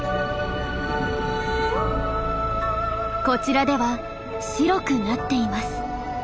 こちらでは白くなっています。